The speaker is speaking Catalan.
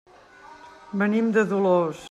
Venim de Dolors.